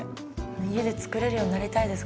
家で作れるようになりたいです